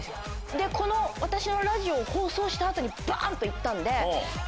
でこの私のラジオを放送した後にバン！と行ったんで。